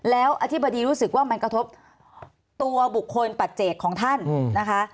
แล้วอธิบดีรู้สึกว่ามันกระทบตัวบุคคลปัจเจกของท่านนะคะ